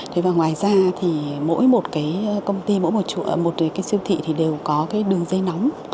thế và ngoài ra thì mỗi một cái công ty mỗi một cái siêu thị thì đều có cái đường dây nóng